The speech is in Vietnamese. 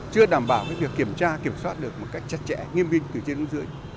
chưa đảm bảo việc kiểm tra kiểm soát được một cách chặt chẽ nghiêm binh từ trên đến dưới